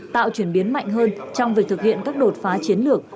tạo chuyển biến mạnh hơn trong việc thực hiện các đột phá chiến lược